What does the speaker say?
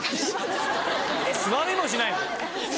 座りもしないの？